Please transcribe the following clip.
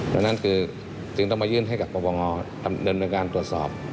ดังนั้นคือจึงต้องมายื่นให้กับประบงดำเนินการตรวจสอบ